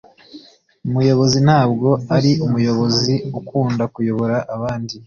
umuyobozi ntabwo ari umuyobozi ukunda kuyobora abandi